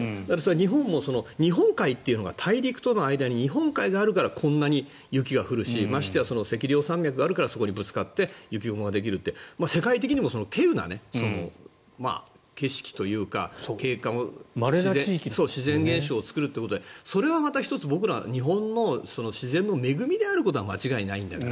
日本も日本海っていうのが大陸との間に日本海があるからこんなに雪が降るしましてや脊梁山脈があるからそこにぶつかって雪雲ができるって世界的にもけうな景色というか、景観が自然現象を作るってことでそれはまた僕ら日本の自然の恵みであることは間違いないんだから。